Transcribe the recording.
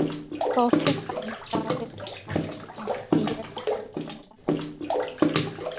Both his sons died in exile with him the year before his own death.